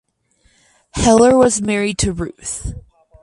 Heller was married to Ruth.